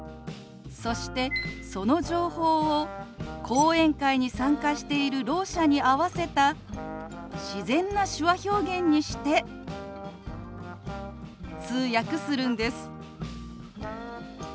そしてその情報を講演会に参加しているろう者に合わせた自然な手話表現にして通訳するんです。